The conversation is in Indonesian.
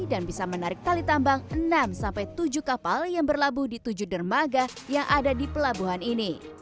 dan bisa menarik tali tambang enam tujuh kapal yang berlabuh di tujuh dermaga yang ada di pelabuhan ini